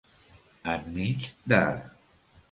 En mig de.